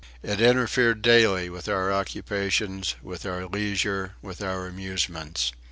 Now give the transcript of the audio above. It interfered daily with our occupations, with our leisure, with our amusements.